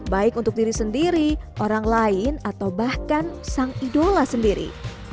baik untuk diri sendiri orang lain atau bahkan sang idola sendiri